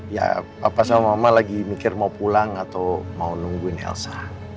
ya papa sama mama lagi mikir mau pulang atau mau nungguin elsa